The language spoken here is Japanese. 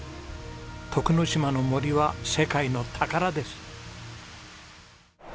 徳之島の森は世界の宝です。